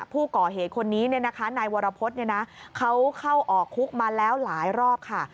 ผู้ก่อเหตุคนนี้นายวรพฤษเขาเข้าออกคุกมาแล้วหลายรอบค่ะ